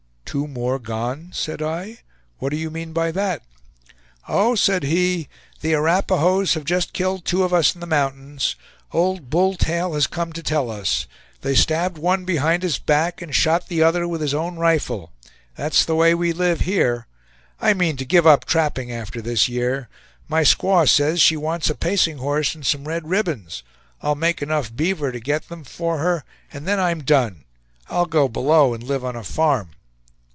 "Two more gone," said I; "what do you mean by that?" "Oh," said he, "the Arapahoes have just killed two of us in the mountains. Old Bull Tail has come to tell us. They stabbed one behind his back, and shot the other with his own rifle. That's the way we live here! I mean to give up trapping after this year. My squaw says she wants a pacing horse and some red ribbons; I'll make enough beaver to get them for her, and then I'm done! I'll go below and live on a farm."